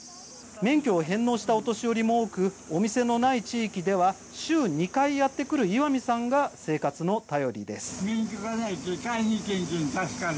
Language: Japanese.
免許を返納したお年寄りも多くお店のない地域では週２回やって来る岩見さんが生活の頼りです。